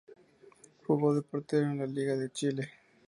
Jugó de portero en la liga de Chile.